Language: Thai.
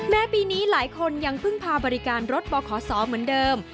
ปีนี้หลายคนยังพึ่งพาบริการรถบขศเหมือนเดิม